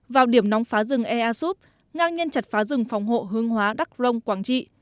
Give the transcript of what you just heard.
vào điểm nóng phá rừng easup ngang nhân chặt phá rừng phòng hộ hương hóa đắk rông quảng trị